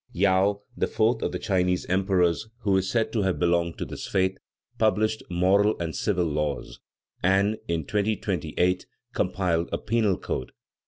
Yao, the fourth of the Chinese emperors, who is said to have belonged to this faith, published moral and civil laws, and, in 2228, compiled a penal code.